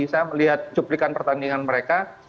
saya melihat cuplikan pertandingan mereka